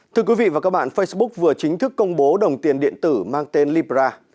thưa quý vị và các bạn facebook vừa chính thức công bố đồng tiền điện tử mang tên libra